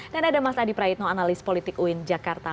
dan ada mas adi praetno analis politik uin jakarta